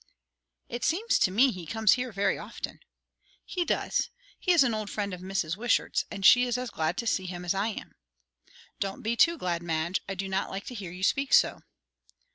"It seems to me he comes here very often." "He does; he is an old friend of Mrs. Wishart's, and she is as glad to see him as I am." "Don't be too glad, Madge. I do not like to hear you speak so."